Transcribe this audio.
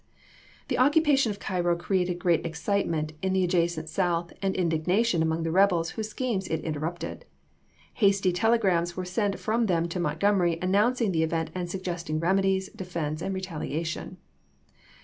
The occupation of Cairo created great excitement in the adjacent South and indignation among the rebels whose schemes it interrupted; hasty tele grams went from them to Montgomery announcing the event and suggesting remedies, defense, and retaliation.